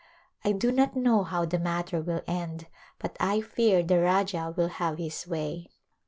I do not know how the matter will end but I fear the Rajah will have his way.